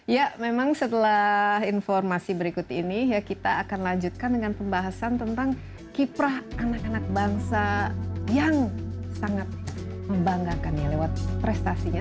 ya memang setelah informasi berikut ini ya kita akan lanjutkan dengan pembahasan tentang kiprah anak anak bangsa yang sangat membanggakan ya lewat prestasinya